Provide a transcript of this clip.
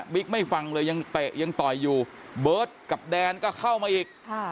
ไม่ฟังเลยยังเตะยังต่อยอยู่เบิร์ตกับแดนก็เข้ามาอีก